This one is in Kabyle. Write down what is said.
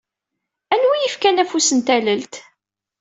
Anwa i yefkan afus n tallalt?